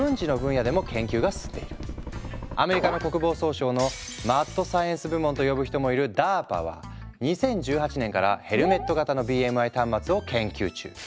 更にアメリカ国防総省のマッドサイエンス部門と呼ぶ人もいるＤＡＲＰＡは２０１８年からヘルメット型のＢＭＩ端末を研究中。